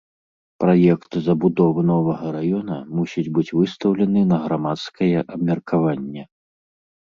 Праект забудовы новага раёна мусіць быць выстаўлены на грамадскае абмеркаванне.